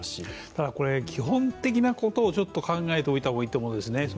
ただこれ、基本的なことを考えておいた方がいいと思うんですね。